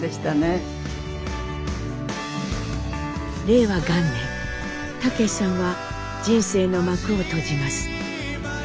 令和元年武さんは人生の幕を閉じます。